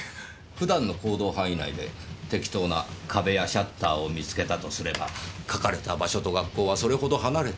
普段の行動範囲内で適当な壁やシャッターを見つけたとすれば描かれた場所と学校はそれほど離れていないはず。